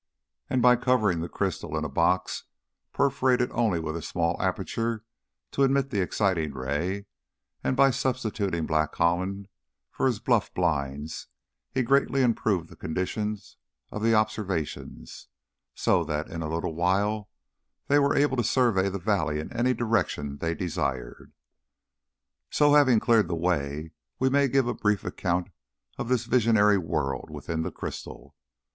And, by covering the crystal in a box perforated only with a small aperture to admit the exciting ray, and by substituting black holland for his buff blinds, he greatly improved the conditions of the observations; so that in a little while they were able to survey the valley in any direction they desired. So having cleared the way, we may give a brief account of this visionary world within the crystal.